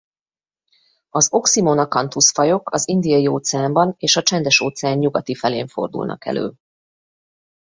Az Oxymonacanthus-fajok az Indiai-óceánban és a Csendes-óceán nyugati felén fordulnak elő.